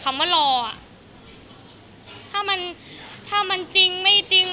เราเป็นเครื่องสบายประโยชน์